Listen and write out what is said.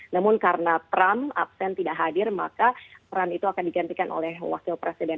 namun karena trump absen tidak hadir maka peran itu akan digantikan oleh wakil presiden